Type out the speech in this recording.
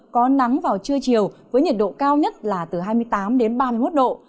có nắng vào trưa chiều với nhiệt độ cao nhất là từ hai mươi tám đến ba mươi một độ